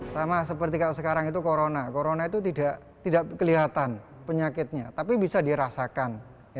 sama seperti sekarang itu corona corona itu tidak kelihatan penyakitnya tapi bisa dirasakan